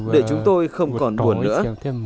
để chúng tôi không còn buồn nữa